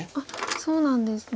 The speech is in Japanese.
そうなんですね